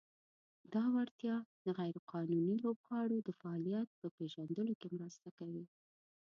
دا وړتیا د "غیر قانوني لوبغاړو د فعالیت" په پېژندلو کې مرسته کوي.